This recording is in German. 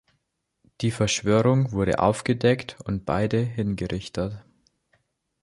Die Verschwörung wurde aufgedeckt und beide hingerichtet.